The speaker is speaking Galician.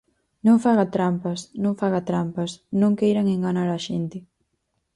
Non faga trampas, non faga trampas, Non queiran enganar a xente.